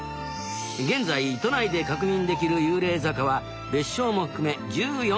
現在都内で確認できる幽霊坂は別称も含め１４か所。